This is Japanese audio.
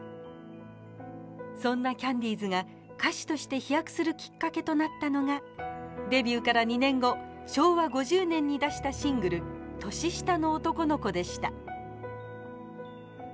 そんなキャンディーズが歌手として飛躍するきっかけとなったのがデビューから２年後昭和５０年に出したシングル「年下の男の子」でした。